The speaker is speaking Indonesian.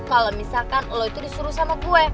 kalau misalkan lo itu disuruh sama gue